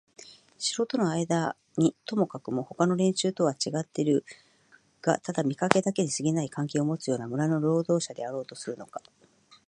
城とのあいだにともかくもほかの連中とはちがってはいるがただ見かけだけにすぎない関係をもつような村の労働者であろうとするのか、